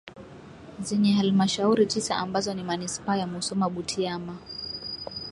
zenye Halmashauri tisa ambazo ni Manispaa ya Musoma Butiama